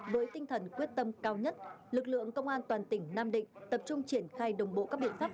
với tinh thần quyết tâm cao nhất lực lượng công an toàn tỉnh nam định tập trung triển khai đồng bộ các biện pháp